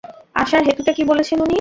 আসার হেতুটা কি বলেছেন উনি?